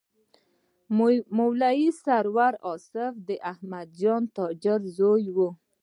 مولوي سرور واصف د احمدجان تاجر زوی و.